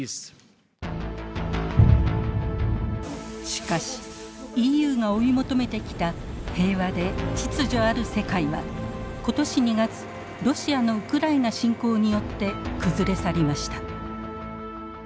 しかしＥＵが追い求めてきた平和で秩序ある世界は今年２月ロシアのウクライナ侵攻によって崩れ去りました。